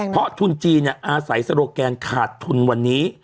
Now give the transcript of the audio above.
เพราะทุนจีนอาศัยโซโลแกนขาดทุนวันนี้